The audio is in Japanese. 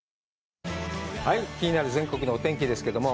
気になる全国のお天気ですけども。